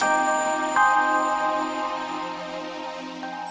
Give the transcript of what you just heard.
mari tuhan berdoa